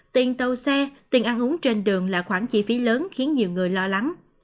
tiền tàu xe tiền ăn uống trên đường là khoản chi phí lớn khiến nhiều người lo lắng